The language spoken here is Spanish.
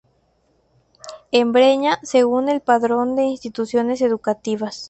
En Breña, según el Padrón de Instituciones Educativas.